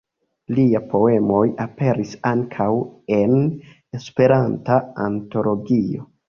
Liaj poemoj aperis ankaŭ en "Esperanta Antologio".